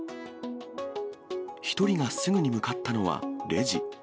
１人がすぐに向かったのは、レジ。